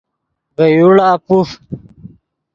ڤے یوڑا پوف